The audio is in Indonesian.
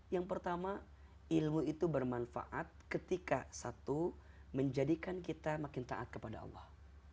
yang pertama ilmu itu bermanfaat ketika satu menjadikan kita makin taat kepada allah